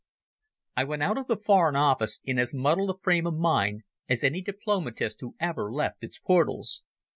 I went out of the Foreign Office in as muddled a frame of mind as any diplomatist who ever left its portals.